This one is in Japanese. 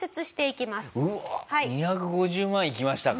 うわあ２５０万いきましたか。